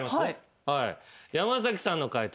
山さんの解答